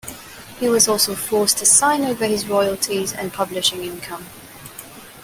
He was also forced to sign over his royalties and publishing income.